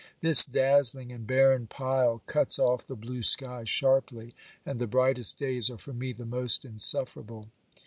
This dazzling and barren pile cuts off the blue sky sharply, and the brightest days are for me the most insufferable.